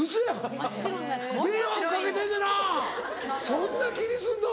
そんな気にすんの？